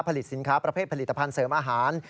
ผลิตสินค้าประเภทผลิตภัณฑ์เสริมอาหาร